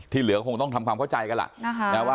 เหลือคงต้องทำความเข้าใจกันล่ะ